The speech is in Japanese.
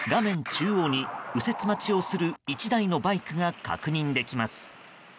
中央に右折待ちをする１台のバイクが確認できます。